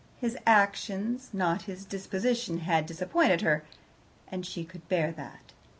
His actions, not his disposition, had disappointed her, and she could bear that.